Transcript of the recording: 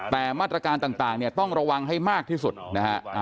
แต่มาตรการต่างเนี่ยต้องระวังให้มากที่สุดนะฮะ